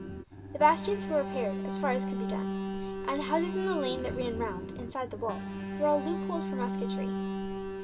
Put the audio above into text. The bastions were repaired, as far as could be done; and the houses in the lane that ran round, inside the wall, were all loopholed for musketry.